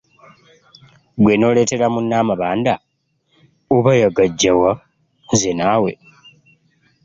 Ggwe n'oleetera munno amabanda! Oba yagaggya wa, nze naawe.